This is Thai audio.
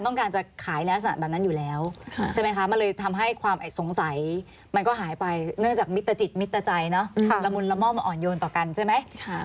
เนื่องจากมิตรจิตมิตรใจนะรมุนรม่อมอ่อนโยนต่อกันใช่ไหม